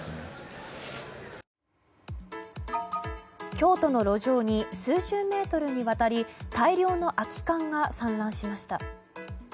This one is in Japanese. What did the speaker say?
京都の路上に数十メートルにわたり大量の空き缶が散乱しました。